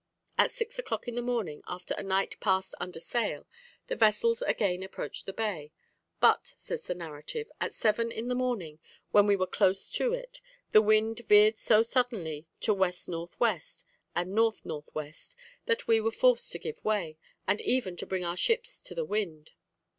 At six o'clock in the morning, after a night passed under sail, the vessels again approached the bay. "But," says the narrative, "at seven in the morning, when we were close to it, the wind veered so suddenly to W.N.W. and N.N.W., that we were forced to give way, and even to bring our ships to the wind.